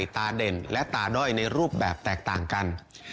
เด่นและตาด้อยในรูปแบบแตกต่างกัน